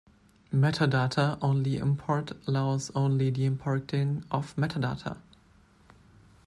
MetaData only import allows only the importing of MetaData.